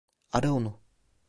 Ara onu.